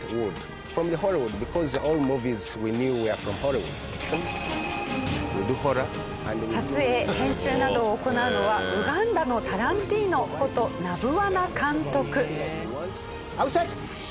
例えば撮影・編集などを行うのはウガンダのタランティーノことナブワナ監督。